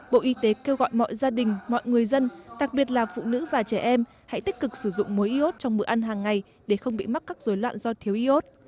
bộ y tế kêu gọi mọi gia đình mọi người dân đặc biệt là phụ nữ và trẻ em hãy tích cực sử dụng mối iốt trong bữa ăn hàng ngày để không bị mắc các dối loạn do thiếu iốt